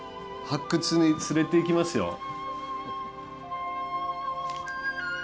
発掘に連れていきますよ。